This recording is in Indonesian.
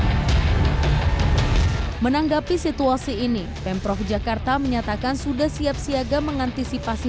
hai menanggapi situasi ini pemprov jakarta menyatakan sudah siap siaga mengantisipasi